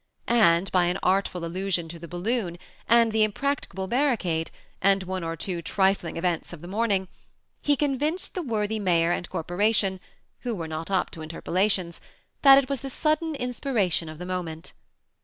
And by an artful allusion to the balloon, and the impracticable barricade, and one or two trifling events of the morning, he con vinced the worthy mayor and corporation, who were not up to interpolations, that it was the sudden inspiration of the moment.